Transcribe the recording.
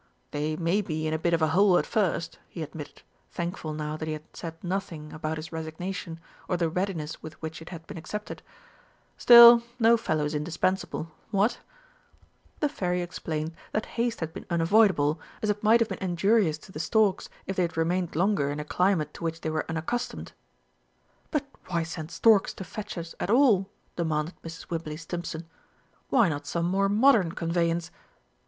"They may be in a bit of a hole at first," he admitted, thankful now that he had said nothing about his resignation, or the readiness with which it had been accepted. "Still, no fellow is indispensable. What?" The Fairy explained that haste had been unavoidable, as it might have been injurious to the storks if they had remained longer in a climate to which they were unaccustomed. "But why send storks to fetch us at all?" demanded Mrs. Wibberley Stimpson. "Why not some more modern conveyance?...